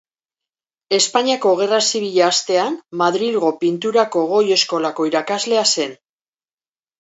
Espainiako Gerra Zibila hastean Madrilgo Pinturako Goi Eskolako irakasle zen.